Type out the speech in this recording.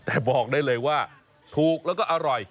แต่บอกได้เลยว่าถูกแล้วก็อร่อย